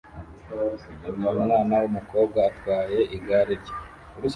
Uyu mwana wumukobwa atwaye igare rye